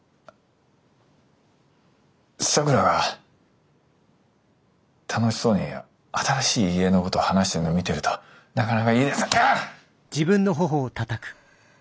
咲良が楽しそうに新しい家のこと話してるのを見てるとなかなか言いだせあっ！